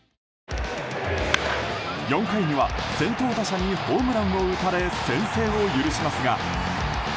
４回には先頭打者にホームランを打たれ先制を許しますが。